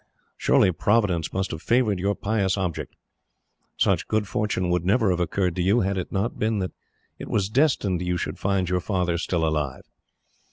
"Surely Providence must have favoured your pious object. Such good fortune would never have occurred to you, had it not been that it was destined you should find your father still alive.